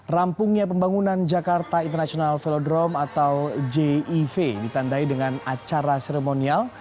rampungnya pembangunan jakarta international velodrome atau jiv ditandai dengan acara seremonial